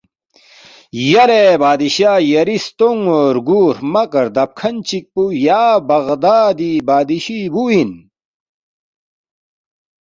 ’یلے بادشاہ یری ستونگ رگُو ہرمق ردَب کھن چِک پو یا بغدادی بادشی بُو اِن